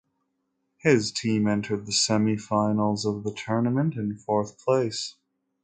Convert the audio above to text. His team entered the semifinals of the tournament in fourth place.